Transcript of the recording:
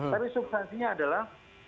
tapi substansinya adalah